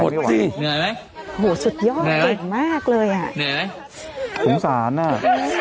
ดูหัวค้าดูสิทำ